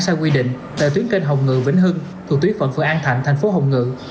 sai quy định tại tuyến kênh hồng ngự vĩnh hưng thuộc tuyến phận phường an thạnh thành phố hồng ngự